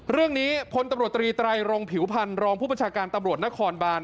เรื่องนี้พลตำรวจตรีไตรรงผิวพันธ์รองผู้บัญชาการตำรวจนครบาน